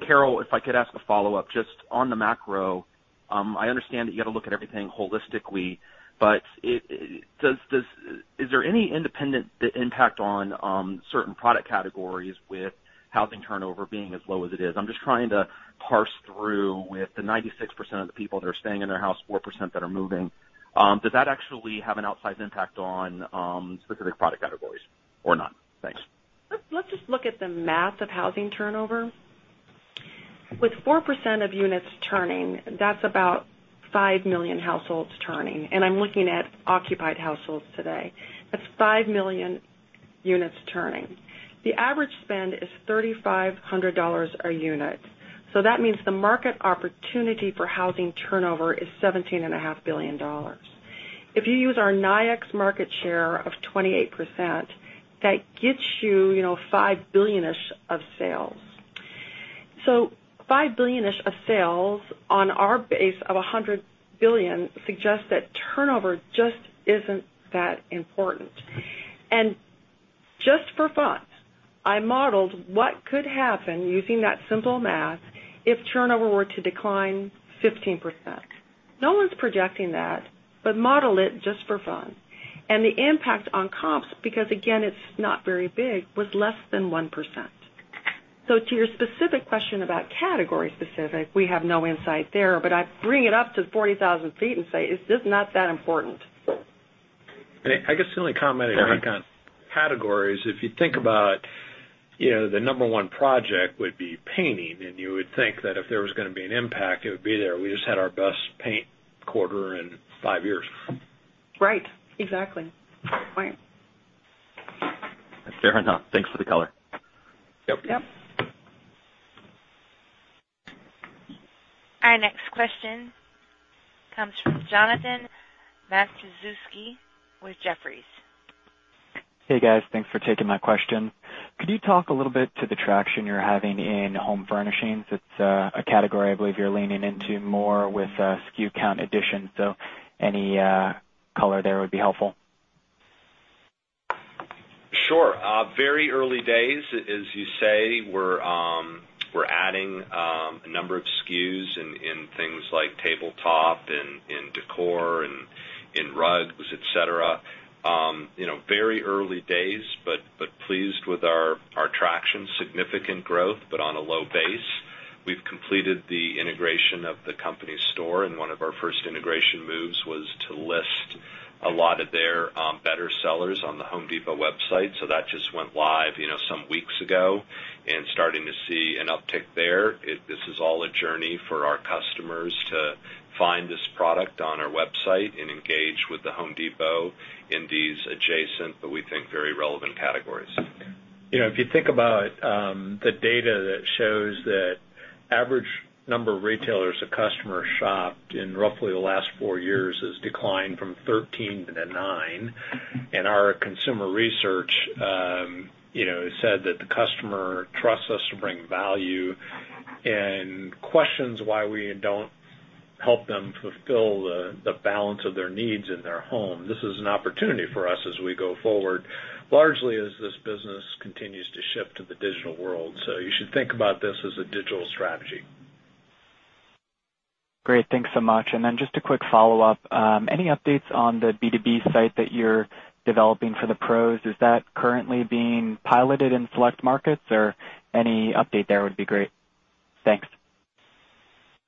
Carol, if I could ask a follow-up just on the macro. I understand that you got to look at everything holistically, but is there any independent impact on certain product categories with housing turnover being as low as it is? I'm just trying to parse through with the 96% of the people that are staying in their house, 4% that are moving. Does that actually have an outsized impact on specific product categories or not? Thanks. Let's just look at the math of housing turnover. With 4% of units turning, that's about 5 million households turning, and I'm looking at occupied households today. That's 5 million units turning. The average spend is $3,500 a unit. That means the market opportunity for housing turnover is $17.5 billion. If you use our NAICS market share of 28%, that gets you 5 billion-ish of sales. 5 billion-ish of sales on our base of $100 billion suggests that turnover just isn't that important. Just for fun, I modeled what could happen using that simple math if turnover were to decline 15%. No one's projecting that, but model it just for fun. The impact on comps, because again, it's not very big, was less than 1%. To your specific question about category specific, we have no insight there, but I bring it up to 40,000 feet and say it's just not that important. I guess the only comment I'd make on categories, if you think about the number 1 project would be painting, and you would think that if there was going to be an impact, it would be there. We just had our best paint quarter in five years. Right. Exactly. Good point. Fair enough. Thanks for the color. Yep. Yep. Our next question comes from Jonathan Matuszewski with Jefferies. Hey, guys. Thanks for taking my question. Could you talk a little bit to the traction you're having in home furnishings? It's a category I believe you're leaning into more with SKU count addition, so any color there would be helpful. Sure. Very early days, as you say, we're adding a number of SKUs in things like tabletop, in decor, in rugs, et cetera. Very early days, but pleased with our traction. Significant growth, but on a low base. We've completed the integration of The Company Store, and one of our first integration moves was to list a lot of their better sellers on The Home Depot website. That just went live some weeks ago and starting to see an uptick there. This is all a journey for our customers to find this product on our website and engage with The Home Depot in these adjacent, but we think very relevant categories. If you think about the data that shows that average number of retailers a customer shopped in roughly the last four years has declined from 13 to the nine, and our consumer research said that the customer trusts us to bring value and questions why we don't help them fulfill the balance of their needs in their home. This is an opportunity for us as we go forward, largely as this business continues to shift to the digital world. You should think about this as a digital strategy. Great. Thanks so much. Just a quick follow-up. Any updates on the B2B site that you're developing for the pros? Is that currently being piloted in select markets, or any update there would be great. Thanks.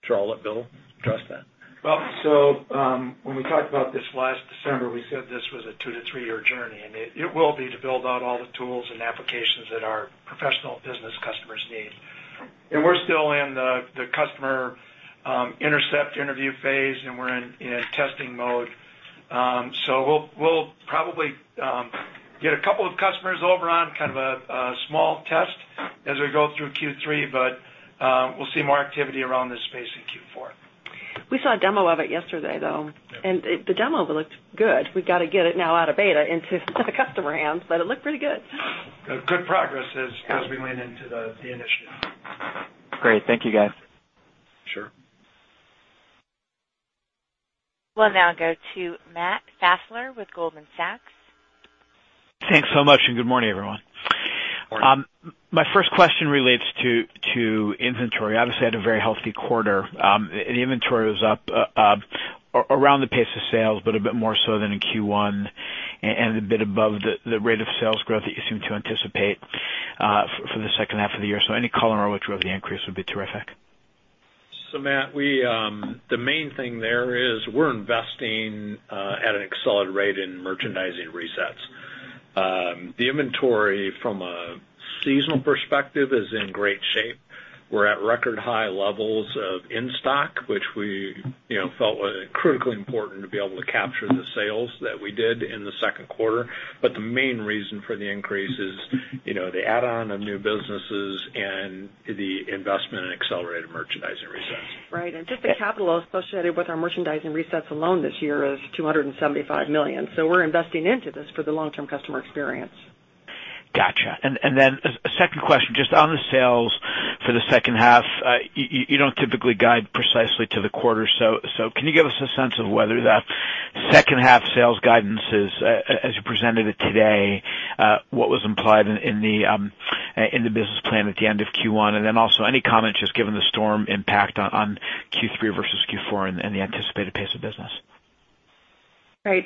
Sure. I'll let Bill address that. Well, when we talked about this last December, we said this was a two to three-year journey, it will be to build out all the tools and applications that our professional business customers need. We're still in the customer intercept interview phase, we're in testing mode. We'll probably get a couple of customers over on kind of a small test as we go through Q3, but we'll see more activity around this space in Q4. We saw a demo of it yesterday, though. Yes. The demo looked good. We've got to get it now out of beta into customer hands, it looked pretty good. Good progress. Yeah we went into the initiative. Great. Thank you, guys. Sure. We'll now go to Matthew Fassler with Goldman Sachs. Thanks so much, good morning, everyone. Morning. My first question relates to inventory. Obviously, had a very healthy quarter. Inventory was up around the pace of sales, but a bit more so than in Q1, and a bit above the rate of sales growth that you seem to anticipate for the second half of the year. Any color on which way the increase would be terrific. Matt, the main thing there is we're investing at an accelerated rate in merchandising resets. The inventory from a seasonal perspective is in great shape. We're at record high levels of in-stock, which we felt was critically important to be able to capture the sales that we did in the second quarter. The main reason for the increase is the add-on of new businesses and the investment in accelerated merchandising resets. Right. Just the capital associated with our merchandising resets alone this year is $275 million. We're investing into this for the long-term customer experience. Got you. A second question, just on the sales for the second half, you don't typically guide precisely to the quarter, so can you give us a sense of whether that second half sales guidance is, as you presented it today, what was implied in the business plan at the end of Q1? Also any comment just given the storm impact on Q3 versus Q4 and the anticipated pace of business. Right.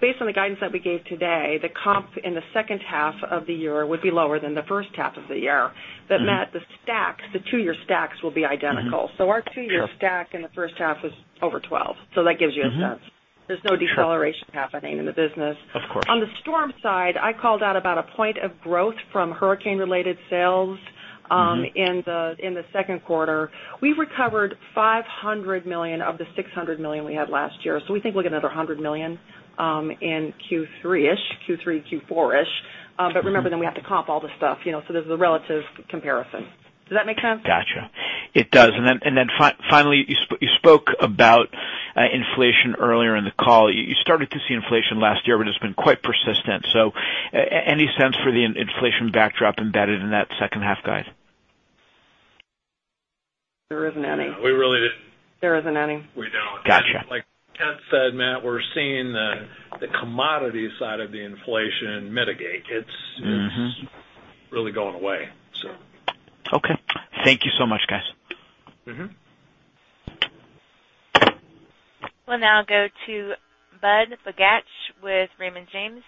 Based on the guidance that we gave today, the comp in the second half of the year would be lower than the first half of the year. Matt, the stacks, the two-year stacks will be identical. Sure. Our two-year stack in the first half is over 12. That gives you a sense. There's no deceleration happening in the business. Of course. On the storm side, I called out about a point of growth from hurricane-related sales. in the second quarter. We've recovered $500 million of the $600 million we had last year. We think we'll get another $100 million in Q3-ish, Q3, Q4-ish. Remember, then we have to comp all the stuff, so there's a relative comparison. Does that make sense? Got you. It does. Finally, you spoke about inflation earlier in the call. You started to see inflation last year, but it's been quite persistent. Any sense for the inflation backdrop embedded in that second half guide? There isn't any. Yeah, we really didn't- There isn't any. We don't. Got you. Like Ted said, Matt, we're seeing the commodity side of the inflation mitigate. It's really going away. Okay. Thank you so much, guys. We'll now go to Budd Bugatch with Raymond James.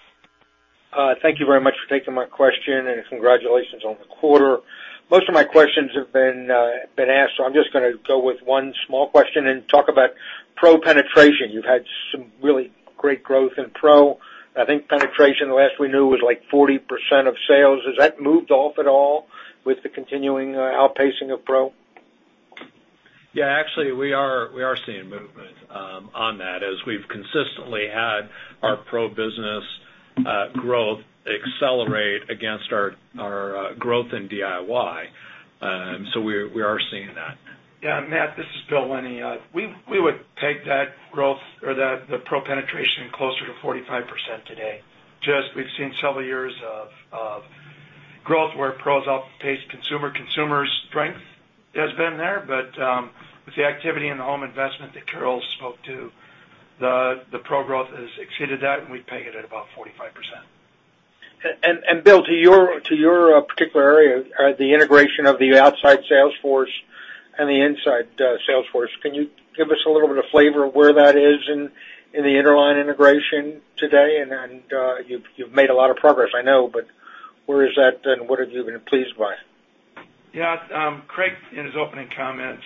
Thank you very much for taking my question, and congratulations on the quarter. Most of my questions have been asked, so I'm just gonna go with one small question and talk about pro penetration. You've had some really great growth in pro. I think penetration, the last we knew, was like 40% of sales. Has that moved off at all with the continuing outpacing of pro? Yeah, actually we are seeing movement on that as we've consistently had our pro business growth accelerate against our growth in DIY. We are seeing that. Yeah, Matt, this is Bill Lennie. We would take that growth or the pro penetration closer to 45% today. Just we've seen several years of growth where pros outpaced consumer. Consumer strength has been there, with the activity in the home investment that Carol Tomé spoke to, the pro growth has exceeded that, we peg it at about 45%. Bill, to your particular area, the integration of the outside sales force and the inside sales force, can you give us a little bit of flavor of where that is in the Interline integration today? You've made a lot of progress, I know, where is that, and what have you been pleased by? Yeah. Craig, in his opening comments,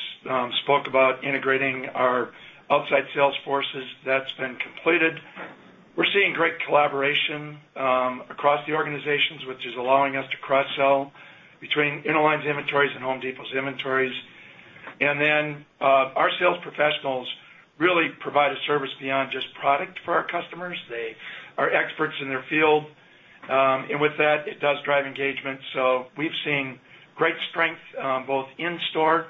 spoke about integrating our outside sales forces. That's been completed. We're seeing great collaboration across the organizations, which is allowing us to cross-sell between Interline's inventories and The Home Depot's inventories. Our sales professionals really provide a service beyond just product for our customers. They are experts in their field. With that, it does drive engagement. We've seen great strength both in store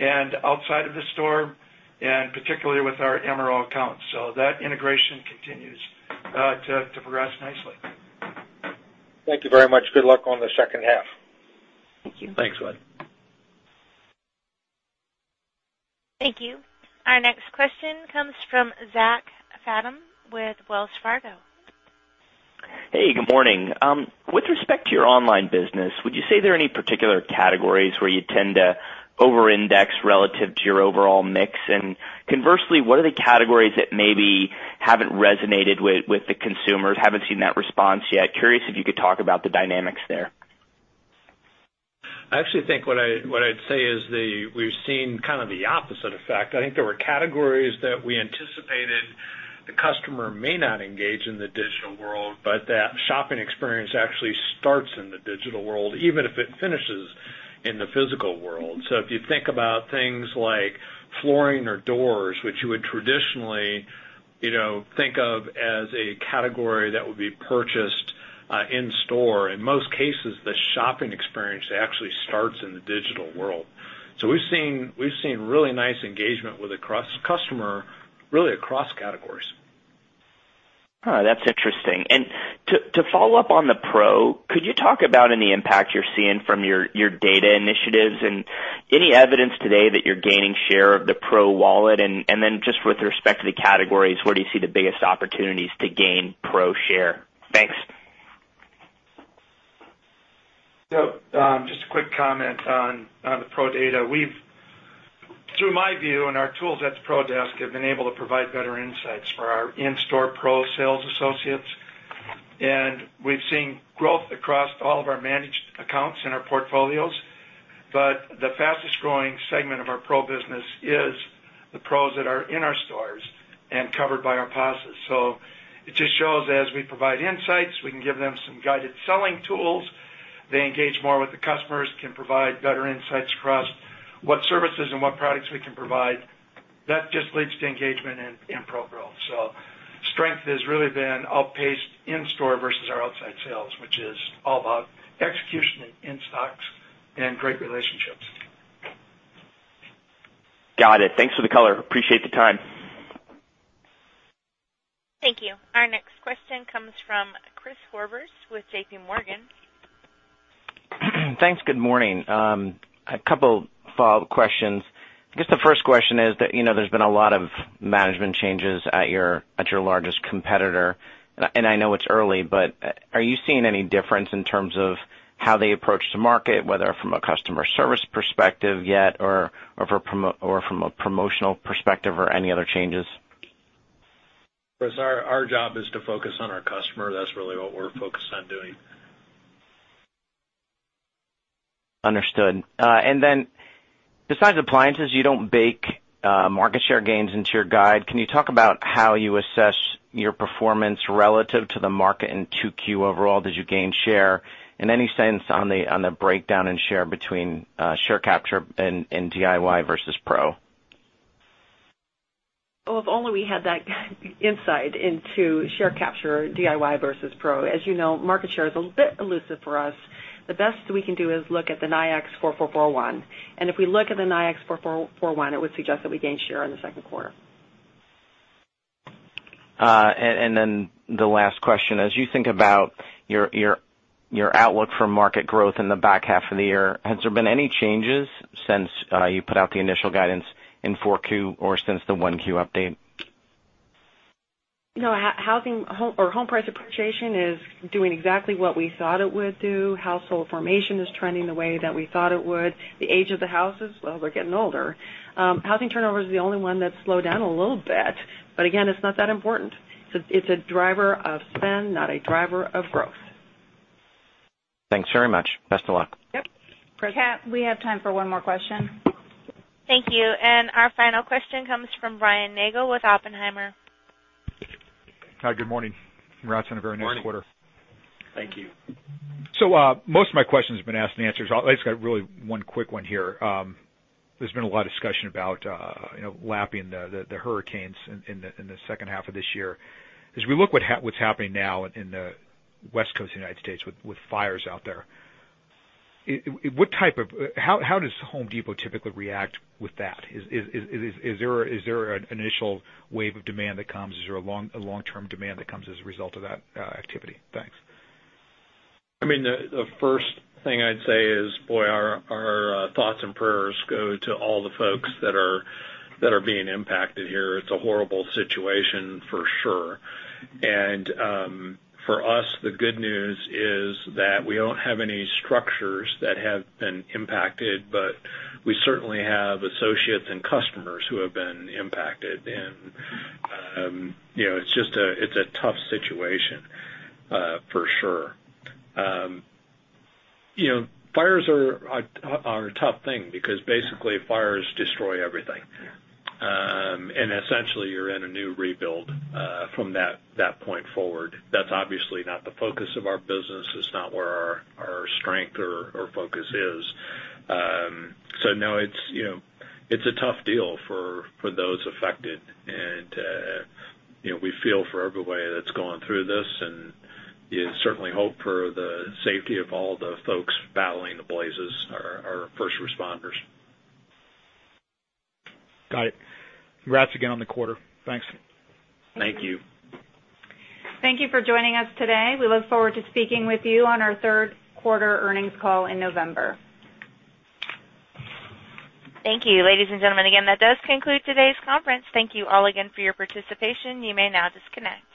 and outside of the store, and particularly with our MRO accounts. That integration continues to progress nicely. Thank you very much. Good luck on the second half. Thank you. Thanks, Budd. Thank you. Our next question comes from Zachary Fadem with Wells Fargo. Hey, good morning. With respect to your online business, would you say there are any particular categories where you tend to over-index relative to your overall mix? Conversely, what are the categories that maybe haven't resonated with the consumers, haven't seen that response yet? Curious if you could talk about the dynamics there. I actually think what I'd say is we've seen kind of the opposite effect. I think there were categories that we anticipated the customer may not engage in the digital world, but that shopping experience actually starts in the digital world, even if it finishes in the physical world. If you think about things like flooring or doors, which you would traditionally think of as a category that would be purchased in-store, in most cases, the shopping experience actually starts in the digital world. We've seen really nice engagement with the customer, really across categories. Oh, that's interesting. To follow up on the pro, could you talk about any impact you're seeing from your data initiatives, and any evidence today that you're gaining share of the pro wallet? Just with respect to the categories, where do you see the biggest opportunities to gain pro share? Thanks. Just a quick comment on the pro data. Through my view and our tools at the Pro Desk, have been able to provide better insights for our in-store pro sales associates. We've seen growth across all of our managed accounts in our portfolios. The fastest-growing segment of our pro business is the pros that are in our stores and covered by our process. It just shows as we provide insights, we can give them some guided selling tools. They engage more with the customers, can provide better insights for us, what services and what products we can provide. That just leads to engagement and pro growth. Strength has really been outpaced in-store versus our outside sales, which is all about execution and in-stocks and great relationships. Got it. Thanks for the color. Appreciate the time. Thank you. Our next question comes from Chris Horvers with JPMorgan. Thanks. Good morning. A couple of follow-up questions. I guess the first question is that there's been a lot of management changes at your largest competitor, and I know it's early, but are you seeing any difference in terms of how they approach the market, whether from a customer service perspective yet or from a promotional perspective or any other changes? Chris, our job is to focus on our customer. That's really what we're focused on doing. Understood. Besides appliances, you don't bake market share gains into your guide. Can you talk about how you assess your performance relative to the market in 2Q overall? Did you gain share? Any sense on the breakdown in share between share capture and DIY versus pro? Oh, if only we had that insight into share capture DIY versus pro. As you know, market share is a bit elusive for us. The best we can do is look at the NAICS 4441. If we look at the NAICS 4441, it would suggest that we gained share in the second quarter. The last question, as you think about your outlook for market growth in the back half of the year, has there been any changes since you put out the initial guidance in 4Q or since the 1Q update? No. Home price appreciation is doing exactly what we thought it would do. Household formation is trending the way that we thought it would. The age of the houses, well, they're getting older. Housing turnover is the only one that's slowed down a little bit, again, it's not that important. It's a driver of spend, not a driver of growth. Thanks very much. Best of luck. Yep. Kat, we have time for one more question. Thank you. Our final question comes from Brian Nagel with Oppenheimer. Hi, good morning. Congrats on a very nice quarter. Morning. Thank you. Most of my questions have been asked and answered, so I just got really one quick one here. There's been a lot of discussion about lapping the hurricanes in the second half of this year. As we look at what's happening now in the West Coast of the U.S. with fires out there, how does The Home Depot typically react with that? Is there an initial wave of demand that comes? Is there a long-term demand that comes as a result of that activity? Thanks. The first thing I'd say is, boy, our thoughts and prayers go to all the folks that are being impacted here. It's a horrible situation for sure. For us, the good news is that we don't have any structures that have been impacted, but we certainly have associates and customers who have been impacted. It's a tough situation, for sure. Fires are a tough thing because basically fires destroy everything. Yeah. Essentially you're in a new rebuild from that point forward. That's obviously not the focus of our business. It's not where our strength or focus is. No, it's a tough deal for those affected. We feel for everybody that's going through this, and certainly hope for the safety of all the folks battling the blazes, our first responders. Got it. Congrats again on the quarter. Thanks. Thank you. Thank you for joining us today. We look forward to speaking with you on our third quarter earnings call in November. Thank you. Ladies and gentlemen, again, that does conclude today's conference. Thank you all again for your participation. You may now disconnect.